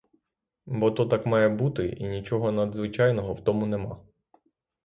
Бо то так має бути, і нічого надзвичайного в тому нема.